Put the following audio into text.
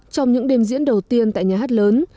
trong những đêm diễn đầu tiên tại nhà hát lớn